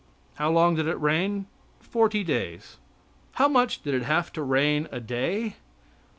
How long did it rain? Forty days. How much did it have to rain a day?